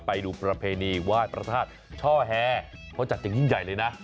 ไปดูประเพณีไหว้พระธาตุช่อแฮเขาจัดอย่างยิ่งใหญ่เลยนะ